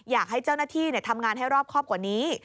อยากให้เจ้าหน้าที่ทำงานให้รอบครอบกว่านี้